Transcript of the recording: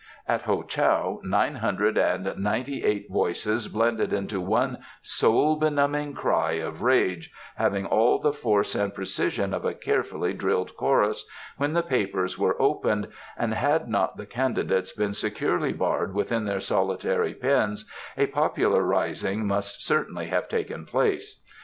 At Ho Chow nine hundred and ninety eight voices blended into one soul benumbing cry of rage, having all the force and precision of a carefully drilled chorus, when the papers were opened, and had not the candidates been securely barred within their solitary pens a popular rising must certainly have taken place.